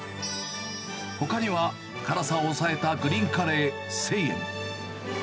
ほかには辛さを抑えたグリーンカレー１０００円。